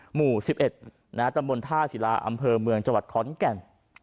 หมู่๑๑ตำบลท่าศิลาอำเภอเมืองจังหวัดขอนแก่น